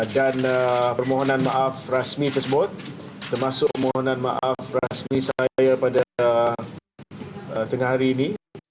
dan permohonan maaf rasmi tersebut termasuk permohonan maaf rasmi saya pada tengah hari ini